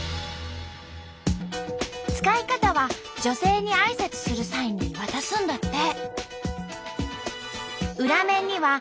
使い方は女性にあいさつする際に渡すんだって。